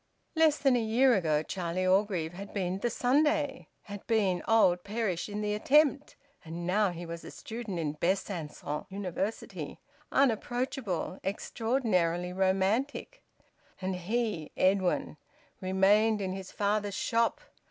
Less than a year ago Charlie Orgreave had been `the Sunday,' had been `old Perish in the attempt,' and now he was a student in Besancon University, unapproachable, extraordinarily romantic; and he, Edwin, remained in his father's shop!